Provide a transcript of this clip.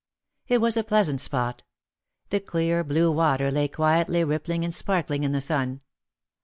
It was a pleasant spot. The clear blue water lay quietly rippling and sparkling in the sun.